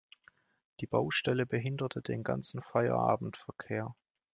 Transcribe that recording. Die Baustelle behinderte den ganzen Feierabendverkehr.